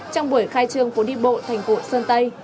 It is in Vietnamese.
trong buổi khai trương phố đi bộ thành phố sơn tây